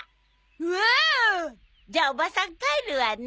おお！じゃあおばさん帰るわね。